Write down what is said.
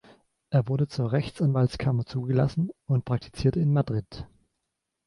Er wurde zur Rechtsanwaltskammer zugelassen und praktizierte in Madrid.